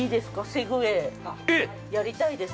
セグウェイやりたいです。